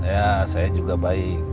ya saya juga baik